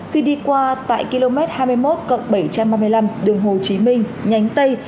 khi đi qua tại km hai mươi một bảy trăm ba mươi năm đường hồ chí minh nhánh tây